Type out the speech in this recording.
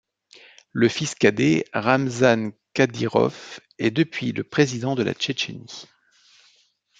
Le fils cadet, Ramzan Kadyrov, est depuis le président de la Tchétchénie.